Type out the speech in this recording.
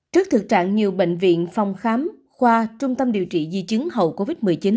trước thực trạng nhiều bệnh viện phòng khám khoa trung tâm điều trị di chứng hậu covid một mươi chín